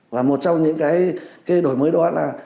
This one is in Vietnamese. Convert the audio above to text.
và một trong những cái đổi mới đó là